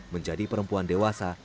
menjadi perempuan dewasa